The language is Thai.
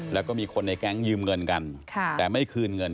แล้วก็มีคนในแก๊งยืมเงินกันแต่ไม่คืนเงิน